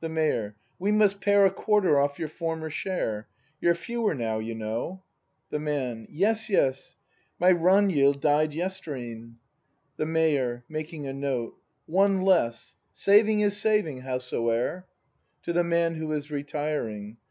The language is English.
The Mayor. We must pare A quarter off your former share. You're fewer now, you know. The Man. Yes, yes, — My Ragnhild died yestreen. ACT II] BRAND 57 The Mayor. [Making a note.] One less. Saving is saving, howsoe'er. [To the Man, who is retiring.